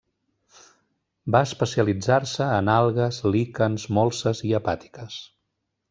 Va especialitzar-se en algues, líquens, molses i hepàtiques.